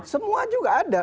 semua juga ada